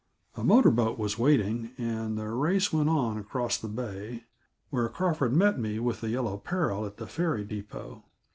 A motor boat was waiting, and the race went on across the bay, where Crawford met me with the Yellow Peril at the ferry depot.